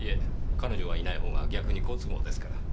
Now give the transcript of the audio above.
彼女がいない方が逆に好都合ですから。